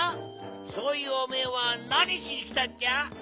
そういうおめえはなにしにきたっちゃ？